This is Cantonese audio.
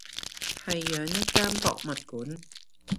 係養一間博物館